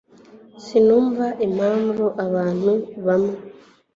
sinumva impamvu abantu bamwe